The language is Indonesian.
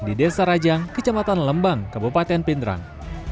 di desa rajang kecamatan lembang kabupaten pindrang